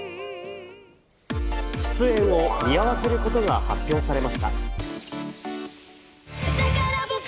出演を見合わせることが発表されました。